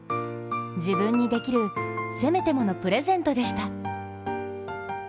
自分にできる、せめてものプレゼントでした。